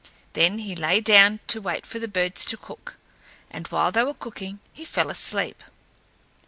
Then he lay down to wait for the birds to cook, and while they were cooking he fell asleep.